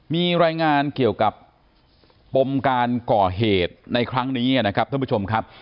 มีรายงานเกี่ยวกับปมการก่อเหตุในครั้งนี้นะครับท่านผู้ชมครับ